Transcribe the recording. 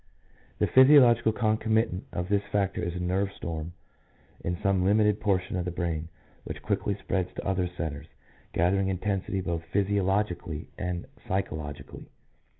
The physiological concomitant of this factor is a nerve storm in some limited portion of the brain which quickly spreads to other centres, gathering intensity both physiologically and psychologically.